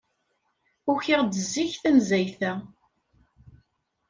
Ukiɣ-d zik tanezzayt-a.